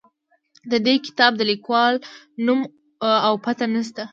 د دې کتاب د لیکوال نوم او پته نه شته.